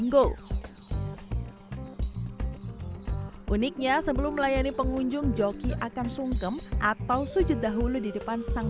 go uniknya sebelum melayani pengunjung joki akan sungkem atau sujud dahulu di depan sang